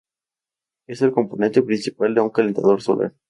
Es el componente principal de un calentador solar.